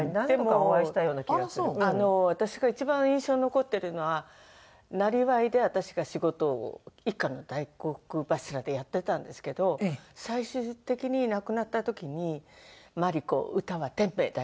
私が一番印象に残ってるのはなりわいで私が仕事を一家の大黒柱でやってたんですけど最終的に亡くなった時に「毬子歌は天命だよ」